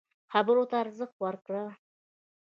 خبرو ته ارزښت ورکړه.